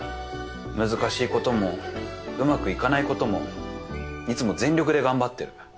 難しいこともうまくいかないこともいつも全力で頑張ってる。